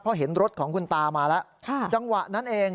เพราะเห็นรถของคุณตามาแล้วจังหวะนั้นเอง